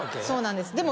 そうなんです。